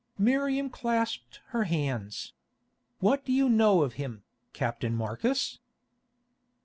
Miriam clasped her hands. "What do you know of him, Captain Marcus?"